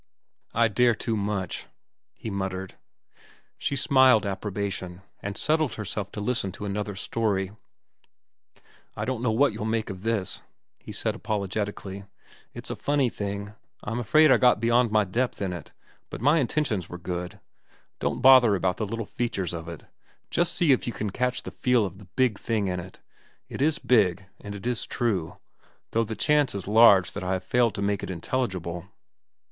"I dare too much," he muttered. She smiled approbation, and settled herself to listen to another story. "I don't know what you'll make of this," he said apologetically. "It's a funny thing. I'm afraid I got beyond my depth in it, but my intentions were good. Don't bother about the little features of it. Just see if you catch the feel of the big thing in it. It is big, and it is true, though the chance is large that I have failed to make it intelligible."